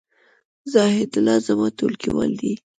زاهیدالله زما ټولګیوال دی